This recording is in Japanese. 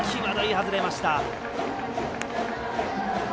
外れました。